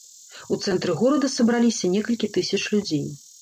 У цэнтры горада сабраліся некалькі тысяч людзей.